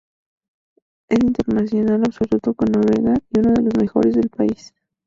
Es internacional absoluto con Noruega y uno de los mejores de su país.